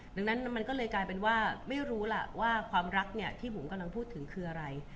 ดังนั้นมันก็เลยกลายเป็นว่าไม่รู้ล่ะว่าความรักเนี่ยที่บุ๋มกำลังพูดถึงคืออะไร